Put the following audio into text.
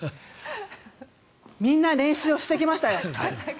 みんな、練習をしてきました。